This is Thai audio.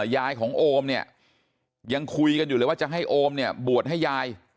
ยายของโอมเนี่ยยังคุยกันอยู่เลยว่าจะให้โอมเนี่ยบวชให้ยาย